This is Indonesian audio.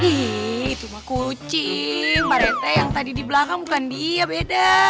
ih itu mah kucing pak rete yang tadi di belakang bukan dia beda